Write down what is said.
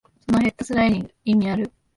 そのヘッドスライディング、意味ある？